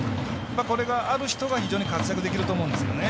これがある人が非常に活躍できると思うんですよね。